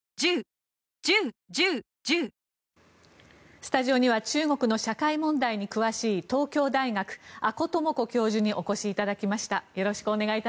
スタジオには中国の社会問題に詳しい東京大学、阿古智子教授にお越しいただきました。